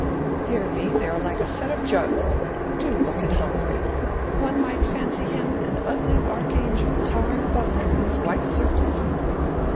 Dear me, they are like a set of jugs! Do look at Humphrey: one might fancy him an ugly archangel towering above them in his white surplice."